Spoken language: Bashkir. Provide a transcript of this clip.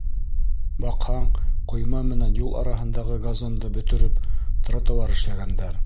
Баҡһаң, ҡойма менән юл араһындағы газонды бөтөрөп, тротуар эшләгәндәр.